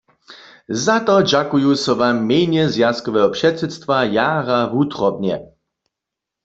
Za to dźakuju so Wam w mjenje zwjazkoweho předsydstwa jara wutrobnje.